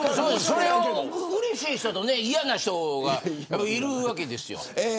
それを、うれしい人と嫌な人がいるわけですよ。